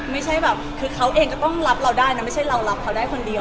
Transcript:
ไม่ใช่แบบคือเขาเองก็ต้องรับเราได้นะไม่ใช่เรารับเขาได้คนเดียว